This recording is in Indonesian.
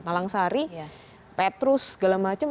malang sari petrus segala macam